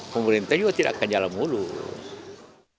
pemerintah juga tidak akan jalan mulut